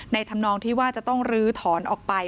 ธรรมนองที่ว่าจะต้องลื้อถอนออกไป